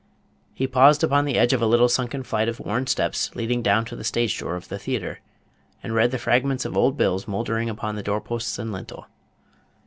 He paused upon the edge of a little sunken flight of worn steps leading down to the stage door of the theatre, and read the fragments of old bills mouldering upon the door posts and lintel.